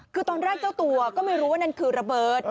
คือตอนแรกเจ้าตัวก็ไม่รู้ว่านั่นคือระเบิด